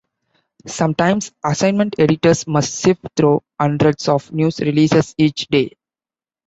Sometimes, assignment editors must sift through hundreds of news releases each day.